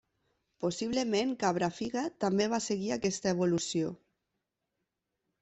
Possiblement, Cabrafiga, també va seguir aquesta evolució.